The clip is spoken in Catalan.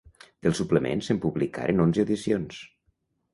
Del suplement se'n publicaren onze edicions.